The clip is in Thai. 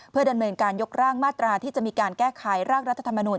เพื่อดำเนินการยกร่างมาตราที่จะมีการแก้ไขร่างรัฐธรรมนูล